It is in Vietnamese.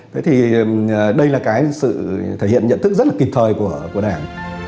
thế thì đây là cái sự thể hiện nhận thức rất là kịp thời của đảng